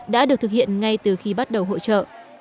đã được thực hiện ngay từ khi bắt đầu hội trợ